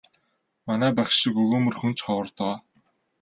Манай багш шиг өгөөмөр хүн ч ховор доо.